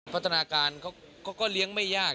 โฆษณาการก็เลี้ยงไม่ยาก